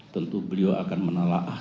tentu beliau akan menelaah